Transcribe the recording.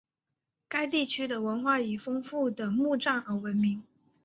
该地区的文明以丰富的墓葬而闻名。